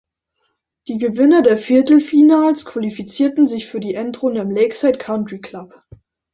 Die Gewinner der Viertelfinals qualifizierten sich für die Endrunde im Lakeside Country Club.